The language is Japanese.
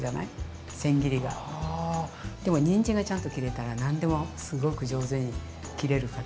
にんじんがちゃんと切れたら何でもすごく上手に切れるから。